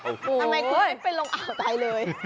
ทำไมคุณไม่เป็นลงอันไทยเลย